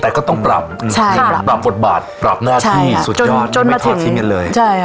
แต่ก็ต้องปรับใช่ปรับบทบาทปรับหน้าที่สุดยอดไม่ทอดที่เงี้ยเลยใช่